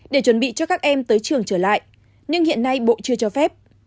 để chuẩn bị cho các em tới trường trở lại nhưng hiện nay bộ chưa cho phép